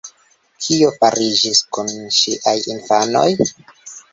Kio fariĝis kun ŝiaj infanoj?